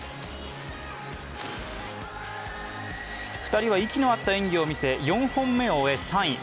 ２人は息の合った演技を見せ、４本目を終え３位。